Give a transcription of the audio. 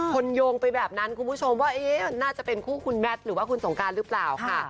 โยงไปแบบนั้นคุณผู้ชมว่าน่าจะเป็นคู่คุณแมทหรือว่าคุณสงการหรือเปล่าค่ะ